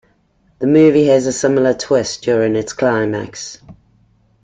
The movie has a similar twist during its climax.